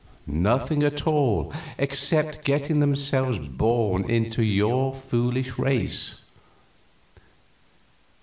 Nothing at all, except getting themselves born into your foolish race.